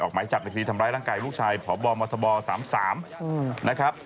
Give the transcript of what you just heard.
ออกไหมจับในคฤษฐีทำร้ายร่างไกลลูกชายผอบอลมอธบอลสามสามนะครับ